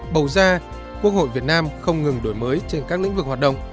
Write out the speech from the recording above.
bầu ra quốc hội việt nam không ngừng đổi mới trên các lĩnh vực hoạt động